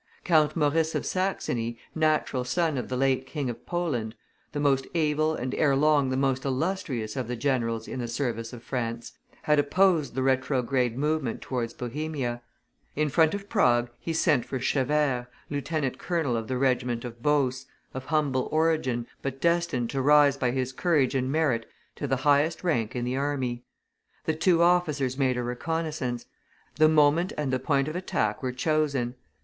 Count Maurice of Saxony, natural son of the late King of Poland, the most able and ere long the most illustrious of the generals in the service of France, had opposed the retrograde movement towards Bohemia. In front of Prague, he sent for Chevert, lieutenant colonel of the regiment of Beauce, of humble origin, but destined to rise by his courage and merit to the highest rank in the army; the two officers made a reconnoissance; the moment and the point of attack were chosen.